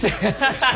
ハハハ！